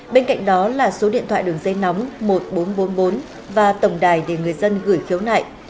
bên cạnh đó là số điện thoại đường dây nóng một nghìn bốn trăm bốn mươi bốn và tổng đài để người dân gửi khiếu nại